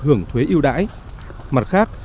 hưởng thuế yêu đãi mặt khác